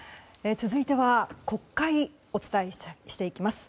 続いては国会お伝えしていきます。